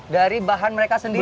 dari bahan mereka sendiri